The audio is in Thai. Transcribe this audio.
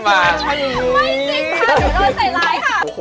ไม่สิคค่ะเดี๋ยวโดยใส่ไลค์ค่ะ